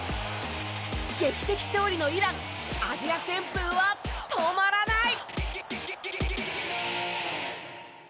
劇的勝利のイランアジア旋風は止まらない！